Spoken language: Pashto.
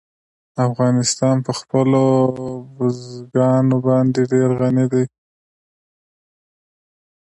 افغانستان په خپلو بزګانو باندې ډېر غني دی.